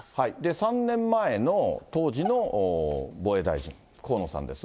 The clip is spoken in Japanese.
３年前の当時の防衛大臣、河野さんですが。